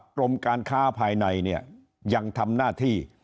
กรมการค้าภายในเนี่ยยังทำหน้าที่